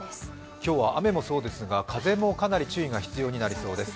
今日は雨もそうですが風も注意が必要になりそうです。